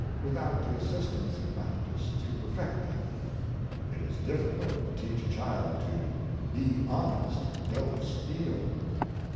Without the assistance of practice to perfect them, it is difficult to teach a child to "be honest, don't steal."